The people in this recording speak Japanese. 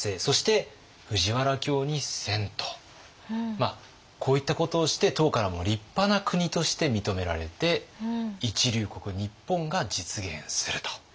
まあこういったことをして唐からも立派な国として認められて一流国日本が実現すると。